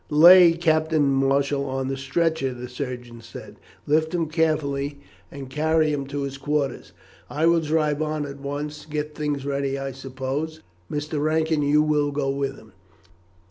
"Lay Captain Marshall on the stretcher," the surgeon said. "Lift him carefully and carry him to his quarters. I will drive on at once and get things ready. I suppose, Mr. Rankin, you will go with him.